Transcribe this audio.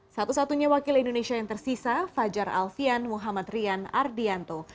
satu satunya wakil indonesia yang tersisa fajar alfian muhammad rian ardianto